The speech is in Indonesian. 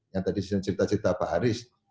yang tadi cerita cerita pak haris